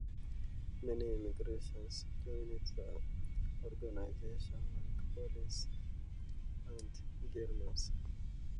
Many immigrants joined the organisation like Poles and Germans.